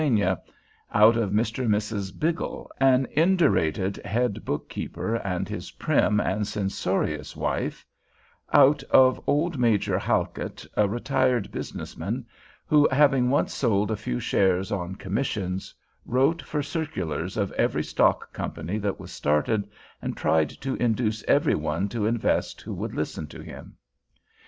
—out of Mr. and Mrs. Biggle, an indurated head bookkeeper and his prim and censorious wife—out of old Major Halkit, a retired business man, who, having once sold a few shares on commission, wrote for circulars of every stock company that was started, and tried to induce every one to invest who would listen to him?